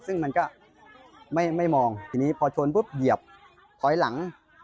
ซึ่งมันก็ไม่มองทีนี้พอชนปุ๊บเหยียบถอยหลัง